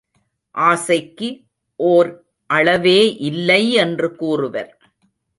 ஆசைக்கு ஒர் அளவே இல்லை என்று கூறுவர்.